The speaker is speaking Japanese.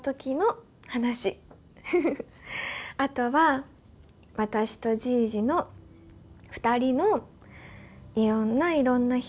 あとは私とじいじの２人のいろんないろんな日々のこと。